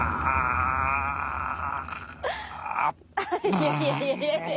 いやいやいやいやいやいや。